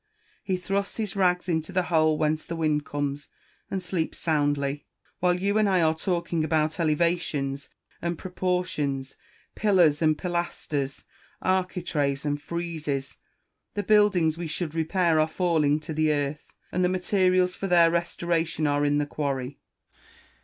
He thrusts his rags into the hole whence the wind comes, and sleeps soundly. While you and I are talking about elevations and propor tions, pillars and pilasters, architraves and friezes, the buildings we should repair are falling to the earth, and the materials for their restoration are in the quarry.